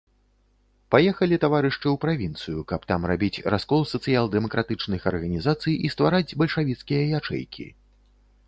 Паехалі таварышы ў правінцыю, каб там рабіць раскол сацыял-дэмакратычных арганізацый і ствараць бальшавіцкія ячэйкі.